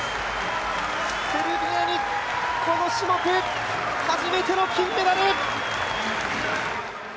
セルビアにこの種目初めての金メダル！